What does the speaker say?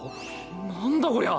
何だこりゃ！